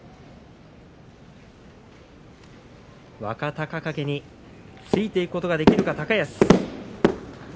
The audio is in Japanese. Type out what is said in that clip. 若隆景についていくことができるか、高安。